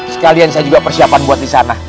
sekalian saya juga persiapan buat di sana